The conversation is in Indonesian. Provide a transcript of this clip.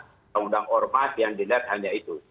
undang undang ormas yang dilihat hanya itu